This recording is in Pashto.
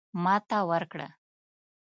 ماته ورکړه.